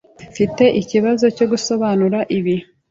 Mfite ikibazo cyo gusobanura ibi.